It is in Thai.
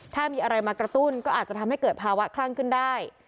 ถ้ามีอะไรมากระตุ้นก็อาจจะทำให้เกิดภาวะคลั่งขึ้นได้